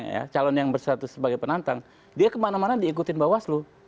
kalau penantang ya calon yang bersatu sebagai penantang dia kemana mana diikutin mba waslu